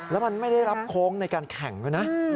แล้วมันไม่ได้รับโค้งในการแข่งด้วยนะ